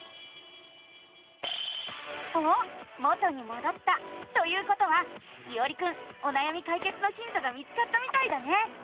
おっ元にもどったということはいおりくんおなやみかいけつのヒントが見つかったみたいだね！